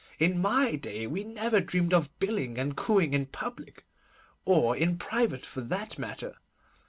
In my day we never dreamed of billing and cooing in public, or in private for that matter.